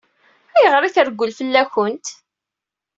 Ayɣer i treggel fell-akent?